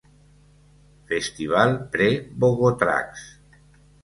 Festival Pre-Bogotrax.